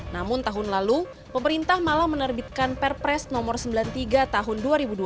namun tahun lalu pemerintah malah menerbitkan perpres nomor sembilan puluh tiga tahun dua ribu dua puluh